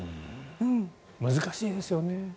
難しいですよね。